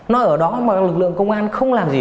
nó ở đó mọi lực lượng công an không làm gì